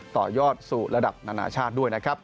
ต่อยอดสู่ระดับนานาชาติด้วยนะครับ